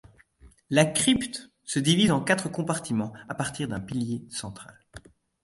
La crypte se divise en quatre compartiments à partir d'un pilier central.